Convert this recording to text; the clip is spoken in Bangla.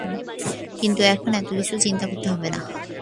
কিন্তু এখন এতকিছু চিন্তা করতে হবে না।